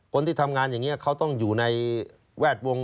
คนที่ทำงานอย่างนี้เขาต้องอยู่ในแวดวง